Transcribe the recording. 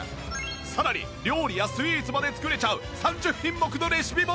さらに料理やスイーツまで作れちゃう３０品目のレシピ本もセットに！